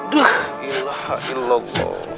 duh ilah ilogoh